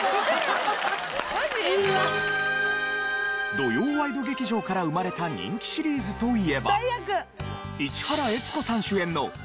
土曜ワイド劇場から生まれた人気シリーズといえば。